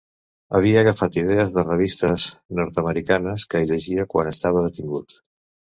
Havia agafat idees de revistes nord-americanes que llegia quan estava detingut.